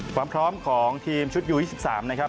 ความพร้อมของทีมชุดยู๒๓นะครับ